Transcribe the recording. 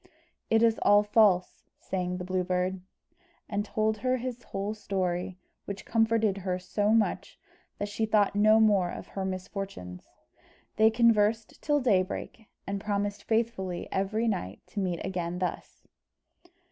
"It is all false," sang the Blue Bird, and told her his whole story, which comforted her so much that she thought no more of her misfortunes. They conversed till daybreak, and promised faithfully every night to meet again thus.